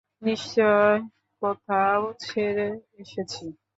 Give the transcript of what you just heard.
নিশ্চয় কোথাও ছেড়ে এসেছি।